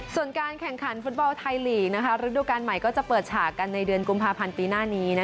ส่วนการแข่งขันฟุตบอลไทยลีกระดูกาลใหม่ก็จะเปิดฉากกันในเดือนกุมภาพันธ์ปีหน้านี้